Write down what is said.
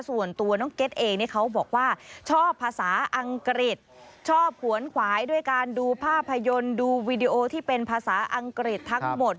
วีดีโอที่เป็นภาษาอังกฤษทั้งหมด